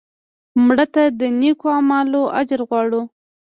مړه ته د نیکو عملونو اجر غواړو